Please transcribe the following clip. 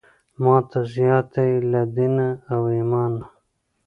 ماته زیاته یې له دینه او ایمانه.